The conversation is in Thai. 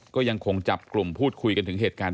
ก็ยังคงจับกลุ่มพูดคุยกันถึงเหตุการณ์